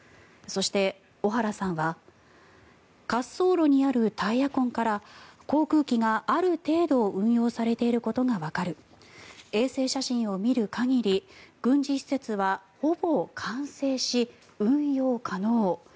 そして小原さんは滑走路にあるタイヤ痕から航空機がある程度運用されていることがわかる衛星写真を見る限り軍事施設はほぼ完成し、運用可能。